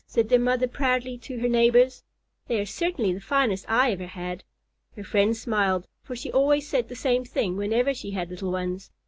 said their mother proudly to her neighbors. "They are certainly the finest I ever had." Her friends smiled, for she always said the same thing whenever she had little ones.